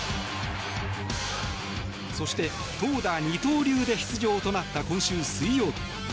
そして投打二刀流で出場となった今週水曜日。